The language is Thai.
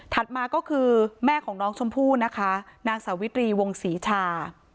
มาก็คือแม่ของน้องชมพู่นะคะนางสาวิตรีวงศรีชา